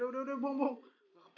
oh boleh boleh banget